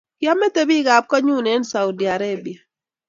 Kiomete bikap koinyuu eng Saudi Arabia